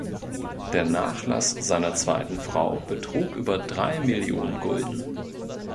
Der Nachlass seiner zweiten Frau betrug über drei Millionen Gulden.